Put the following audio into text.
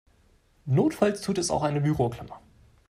Notfalls tut es auch eine Büroklammer.